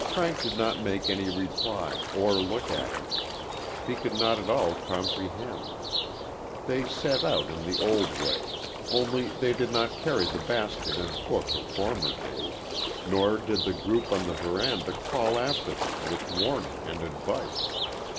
Frank did not make any reply, or look at her. He could not at all comprehend. They set out in the old way, only they did not carry the basket and book of former days, nor did the group on the veranda call after them with warning and advice.